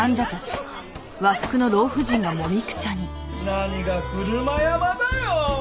何が車山だよ！